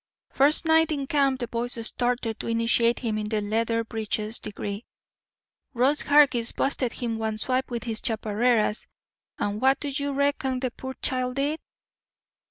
First night in camp the boys started to initiate him in the leather breeches degree. Ross Hargis busted him one swipe with his chaparreras, and what do you reckon the poor child did?